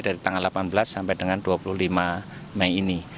dari tanggal delapan belas sampai dengan dua puluh lima mei ini